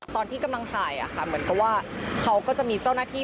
ตอนที่กำลังถ่ายเหมือนกับว่าเขาก็จะมีเจ้าหน้าที่